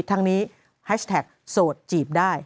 ทั้งนี้แฮชแท็กโสดจีบได้